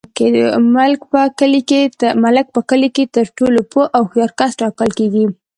ملک په کلي کي تر ټولو پوه او هوښیار کس ټاکل کیږي.